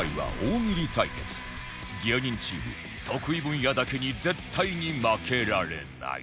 芸人チーム得意分野だけに絶対に負けられない